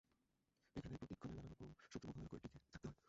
এখানে প্রতিক্ষণে নানারকম শত্রুর মোকাবিলা করে টিকে থাকতে হয়।